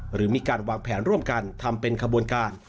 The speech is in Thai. หรือมีการวางแผนร่วมกันทำเป็นขบวนการ